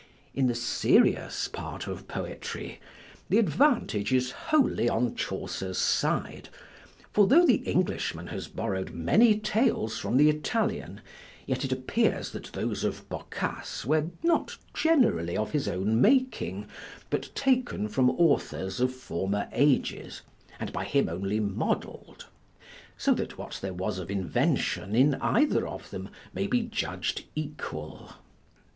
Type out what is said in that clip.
In the serious part of poetry, the advantage is wholly on Chaucer's side; for tho' the Englishman has borrow'd many tales from the Italian, yet it appears that those of Boccace were not generally of his own making, but taken from authors of former ages, and by him only model'd; so that what there was of invention in either of them may be judg'd equal.